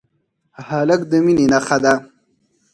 هلک د مینې نښه ده.